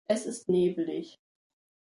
Es ist neblig.